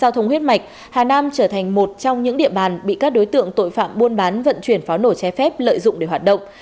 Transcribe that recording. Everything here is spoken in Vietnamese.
giao thông huyết mạch hà nam trở thành một trong những địa bàn bị các đối tượng tội phạm buôn bán vận chuyển pháo nổ trái phép lợi dụng để hoạt động